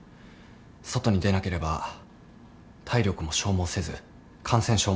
外に出なければ体力も消耗せず感染症も防げると。